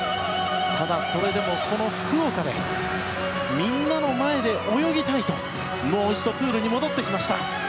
ただそれでも、この福岡でみんなの前で泳ぎたいともう一度プールに戻ってきました。